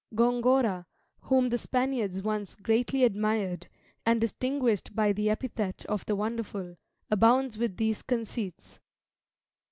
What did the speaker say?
Gongora, whom the Spaniards once greatly admired, and distinguished by the epithet of The Wonderful, abounds with these conceits.